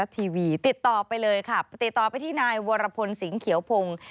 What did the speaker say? ทีวีติดต่อไปเลยค่ะติดต่อไปที่นายวรพลสิงหเขียวพงศ์